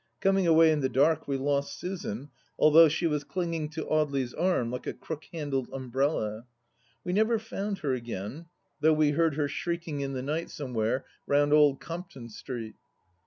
Coming away in the dark we lost Susan, although she was clinging to Audely's arm like a crook handled umbrella. We never found her again, though we heard her shrieking in the night THE LAST DITCH 195 somewhere round Old Compton Street.